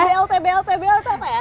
kalau tbl tbl tbl itu apa ya